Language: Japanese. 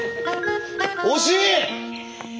惜しい！